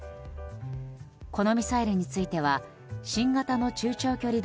このミサイルについては、新型の中長距離